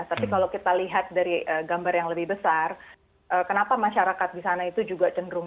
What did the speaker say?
tapi kalau kita lihat dari gambar yang lebih besar kenapa masyarakat di sana itu juga cenderung